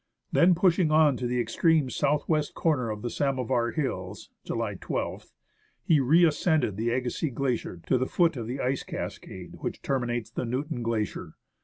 Then pushing on to the extreme south west corner of the Samovar Hills (July 12th), he re ascended the Agassiz Glacier to the foot of the ice cascade which terminates the Newton Glacier.